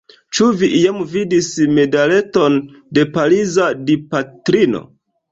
Ĉu vi iam vidis medaleton de Pariza Dipatrino?